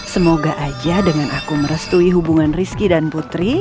semoga aja dengan aku merestui hubungan rizky dan putri